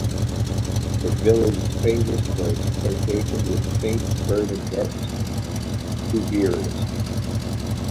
The village is famous for its association with Saint Bernadette Soubirous.